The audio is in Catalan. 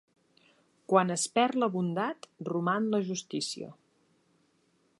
Quan es perd la bondat, roman la justícia.